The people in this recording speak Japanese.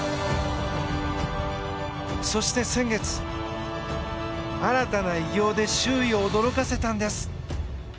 そして、先月新たな偉業で周囲を驚かせたんです。